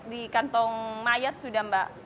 di kantong mayat sudah mbak